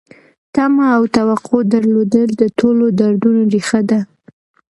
تمه او توقع درلودل د ټولو دردونو ریښه ده.